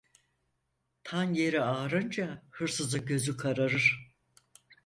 Tan yeri ağarınca hırsızın gözü kararır.